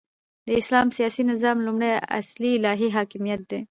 د اسلام سیاسی نظام لومړنی اصل الهی حاکمیت دی،